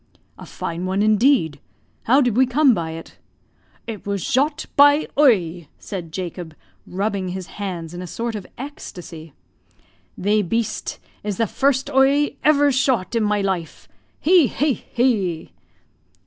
"A fine one, indeed! How did we come by it?" "It was zhot by oie," said Jacob, rubbing his hands in a sort of ecstacy. "Thae beast iz the first oie ever zhot in my life. He! he! he!"